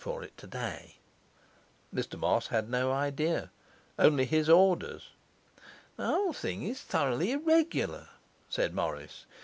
for it today?' Mr Moss had no idea; only his orders. 'The whole thing is thoroughly irregular,' said Morris.